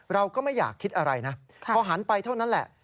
เราก็ไม่อยากคิดอะไรนะพอหันไปเท่านั้นแหละ